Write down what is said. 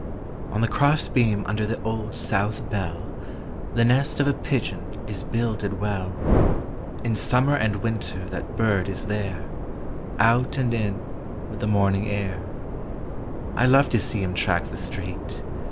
On the cross beam under the Old South bell The nest of a pigeon is builded well In summer and winter that bird is there, Out and in with the morning air; I love to see him track the street.